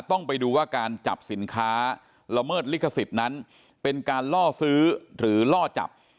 ต้องไปดูว่าการจับสินค้าละเมิดลิขสิทธิ์นั้นเป็นการล่อซื้อหรือล่อจับ